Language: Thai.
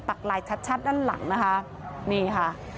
ลายชัดด้านหลังนะคะนี่ค่ะ